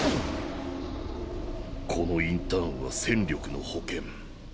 このインターンは戦力の保険。